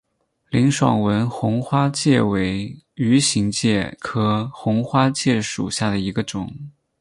林爽文红花介为鱼形介科红花介属下的一个种。